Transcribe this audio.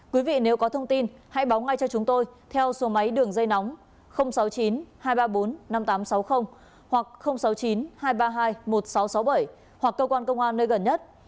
quý vị nếu có thông tin hãy báo ngay cho chúng tôi theo số máy đường dây nóng sáu mươi chín hai trăm ba mươi bốn năm nghìn tám trăm sáu mươi hoặc sáu mươi chín hai trăm ba mươi hai một nghìn sáu trăm sáu mươi bảy hoặc cơ quan công an nơi gần nhất